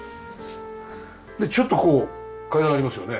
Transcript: ちょっとこう階段ありますよね。